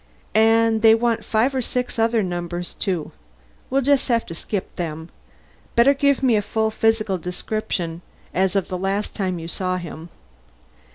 And they want five or six other numbers too. We'll just have to skip them. Better give me a full physical description as of the last time you saw him."